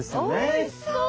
おいしそう！